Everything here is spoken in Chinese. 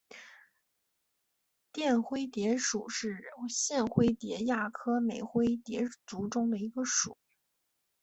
绽灰蝶属是线灰蝶亚科美灰蝶族中的一个属。